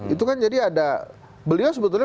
itu kan jadi ada beliau sebetulnya